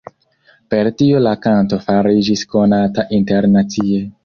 Per tio la kanto fariĝis konata internacie.